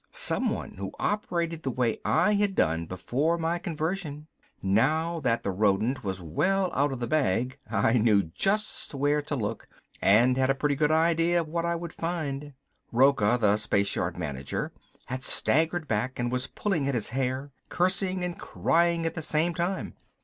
Someone who operated the way I had done before my conversion. Now that the rodent was well out of the bag I knew just where to look, and had a pretty good idea of what I would find. Rocca, the spaceyard manager, had staggered back and was pulling at his hair, cursing and crying at the same time.